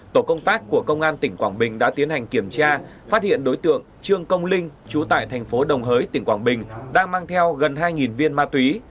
tổ công tác của công an tp vinh đã tiến hành kiểm tra phát hiện đối tượng trương công linh trú tại tp đồng hới tp vinh đang mang theo gần hai viên ma túy